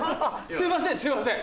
すいませんすいません。